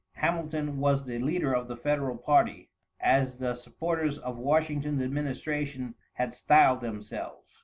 Hamilton was the leader of the federal party, as the supporters of Washington's administration had styled themselves.